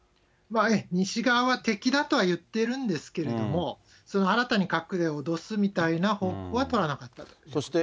西側は敵だとは言ってるんですけれども、新たに核で脅すみたいな方法は取らなかったということですね。